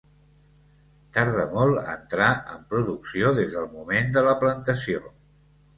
Tarda molt a entrar en producció des del moment de la plantació.